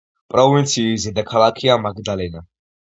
პროვინციის დედაქალაქია მაგდალენა.